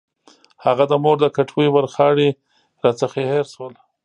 هغه د مور د کټوۍ ورخاړي راڅخه هېر شول.